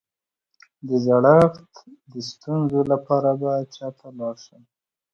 د زړښت د ستونزو لپاره باید چا ته لاړ شم؟